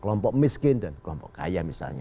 kelompok miskin dan kelompok kaya misalnya